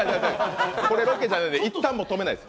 これロケじゃないんで、いったん止めないです。